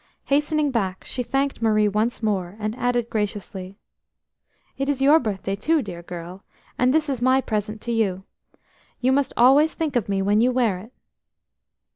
Hastening back, she thanked Marie once again, and added graciously: "It is your birthday too, dear girl, and this is my present to you. You must always think of me when you wear it."